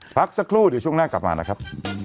พักสักครู่เดี๋ยวช่วงหน้ากลับมานะครับ